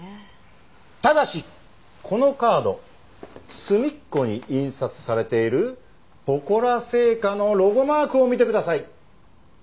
ただしこのカード隅っこに印刷されているポコラ製菓のロゴマークを見てください。